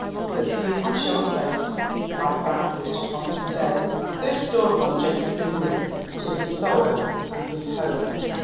But few can show a face like that which upon this day first dawned on Geoffrey Bingham to his sorrow and his hope.